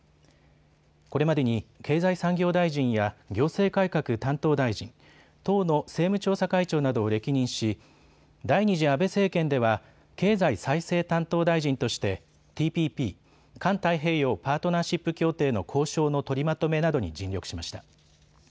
これまでに経済産業大臣や行政改革担当大臣、党の政務調査会長などを歴任し第２次安倍政権では経済再生担当大臣としてＴＰＰ・環太平洋パートナーシップ協定の交渉の取りまとめなどに尽力しました。